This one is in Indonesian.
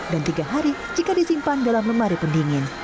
dan tiga hari jika disimpan dalam lemari pendingin